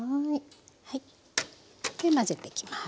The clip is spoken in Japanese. で混ぜていきます。